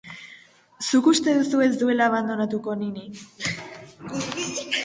Zuk uste duzu ez duela abandonatuko Nini?